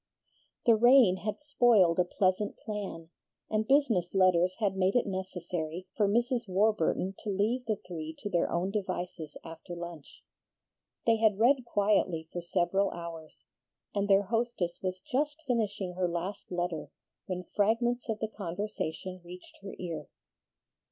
The rain had spoiled a pleasant plan, and business letters had made it necessary for Mrs. Warburton to leave the three to their own devices after lunch. They had read quietly for several hours, and their hostess was just finishing her last letter when fragments of the conversation reached her ear.